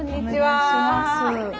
お願いします。